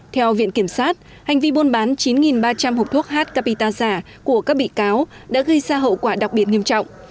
theo viện kiểm sát hành vi buôn bán chín ba trăm linh hộp thuốc h capita giả của các bị cáo đã gây ra hậu quả đặc biệt nghiêm trọng